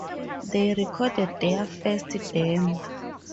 They recorded their first demo.